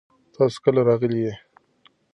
تاسو کله راغلي یئ؟